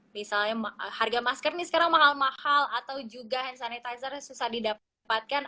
misalnya harga masker nih sekarang mahal mahal atau juga hand sanitizer susah didapatkan